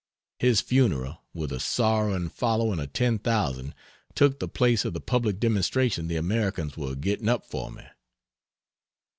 His funeral, with a sorrowing following of 10,000, took the place of the public demonstration the Americans were getting up for me.